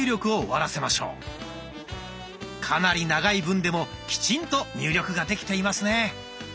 かなり長い文でもきちんと入力ができていますね。